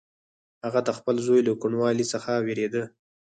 هغه د خپل زوی له کوڼوالي څخه وېرېده.